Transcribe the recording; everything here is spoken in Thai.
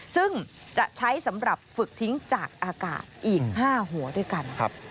ซึ่งจะใช้สำหรับฝึกทิ้งจากอากาศอีก๕หัวด้วยกัน